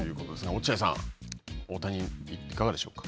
落合さん、大谷、いかがでしょうか。